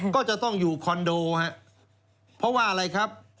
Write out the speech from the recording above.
ก็จะต้องอยู่คอนโดครับเพราะว่าอะไรครับ